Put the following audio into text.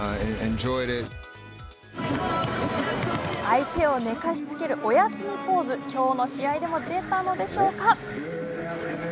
相手を寝かしつけるおやすみポーズきょうの試合でも出たのでしょうか？